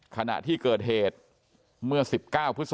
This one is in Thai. ขณะที่เกิดเหตุเมื่อ๑๙พฤศ